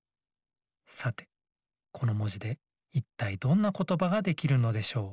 さてこのもじでいったいどんなことばができるのでしょう？